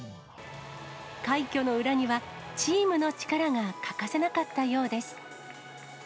快挙の裏には、チームの力が欠かせなかったようです。